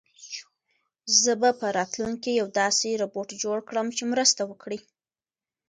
زه به په راتلونکي کې یو داسې روبوټ جوړ کړم چې مرسته وکړي.